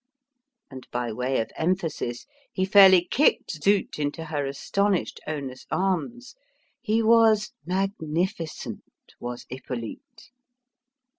And, by way of emphasis, he fairly kicked Zut into her astonished owner's arms. He was magnificent, was Hippolyte!